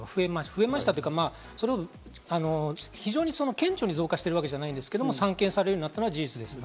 増えましたけれども、非常に顕著に増加しているわけではないですけど、散見されるようになったのは事実です。